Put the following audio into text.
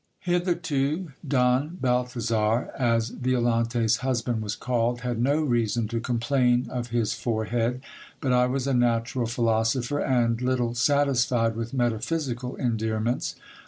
Hitherto Don Balthazar, as Violante's husband was called, had no reason to complain of his forehead ; but I was a natural philosopher, and little satisfied with metaphysical endearments.